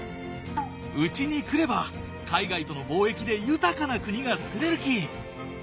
うちに来れば海外との貿易で豊かな国がつくれるき！